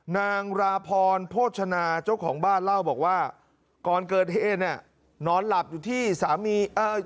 นางราพรโภชนาเจ้าของบ้านเล่าบอกว่าก่อนเกิดเฮนเนี่ย